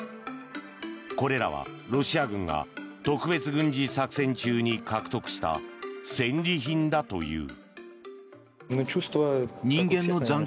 これらはロシア軍が特別軍事作戦中に獲得した戦利品だという。